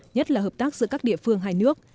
nhất là hợp tác giữa các địa phương hai nước